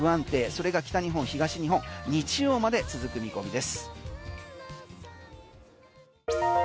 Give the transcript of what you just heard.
それが北日本、東日本日曜まで続く見込みです。